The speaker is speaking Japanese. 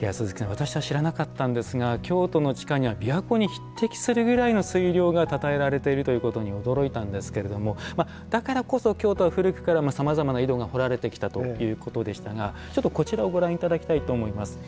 私は知らなかったんですが京都の地下には琵琶湖に匹敵するぐらいの水量がたたえられているということに驚いたんですけれどもだからこそ京都は古くからさまざまな井戸が掘られてきたということでしたがちょっとこちらをご覧いただきたいと思います。